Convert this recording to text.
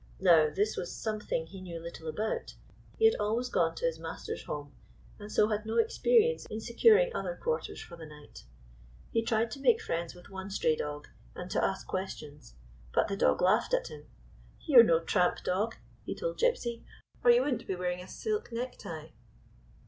Now, this w T as something he knew little about. He had always gone to his master's home, and so had no experience in securing other quarters 127 GYPSY, THE TALKING DOG for tlie night. He tried to make friends with one stray dog, and to ask questions. But the dog laughed at him. " You 're no tramp dog," he told Gypsy, "or you would n't be wearing a silk necktie